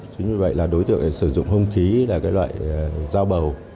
chính vì vậy là đối tượng sử dụng hông khí là loại giao bầu